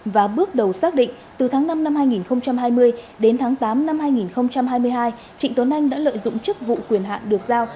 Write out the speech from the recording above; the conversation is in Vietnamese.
và bước đầu xác định từ tháng năm năm hai nghìn hai mươi đến tháng tám năm hai nghìn hai mươi hai trịnh tuấn anh đã lợi dụng chức vụ quyền hạn được giao